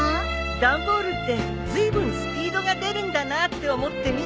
段ボールってずいぶんスピードが出るんだなって思って見てたんだよ。